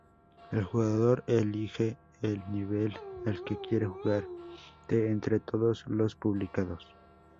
El jugador elige el nivel al que quiere jugar de entre todos los publicados.